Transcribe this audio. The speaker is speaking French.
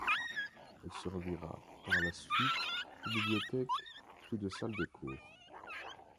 Elle servira par la suite de bibliothèque, puis de salle de cours.